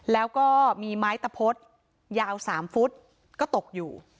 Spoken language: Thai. แล้วก็มีไม้ตะพดยาว๓ฟุตก็ตกอยู่